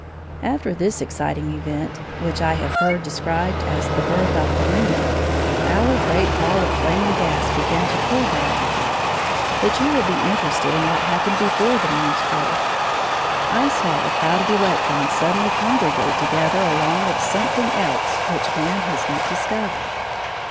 After this exciting event, which I have heard described as "the birth of the moon," our great ball of flaming gas began to cool gradually. But you will be interested in what happened before the moon's birth. I saw a crowd of electrons suddenly congregate together along with something else which man has not discovered.